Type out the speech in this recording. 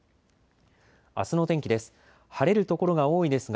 あすの天気です。